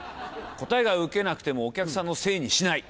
答えがウケなくてもお客さんのせいにしない。